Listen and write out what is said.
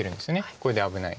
これで危ない。